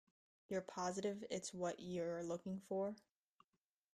You're positive it's what you're looking for?